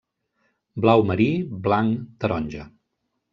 Blau marí, blanc, taronja.